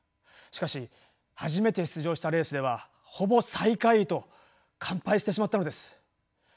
しかし初めて出場したレースではほぼ最下位と完敗してしまったのです。